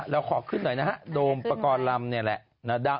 แล้วขอขึ้นหน่อยนะครับโดมประกอร์นลำนี่แหละ